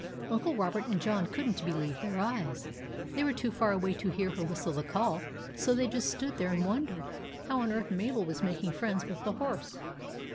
Uncle Robert and John could n't believe their eyes. They were too far away to hear her whistle the call, so they just stood there and wondered how on earth Mabel was making friends with the horse.